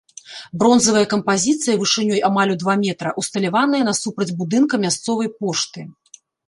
Бронзавая кампазіцыя вышынёй амаль у два метра ўсталяваная насупраць будынка мясцовай пошты.